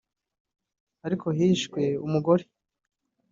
Ariko hishwe umugore